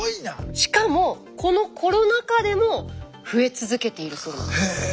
しかもこのコロナ禍でも増え続けているそうなんです。